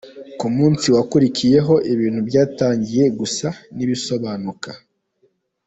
Ku munsi wakurikiyeho, ibintu byatangiye gusa n’ibisobanuka.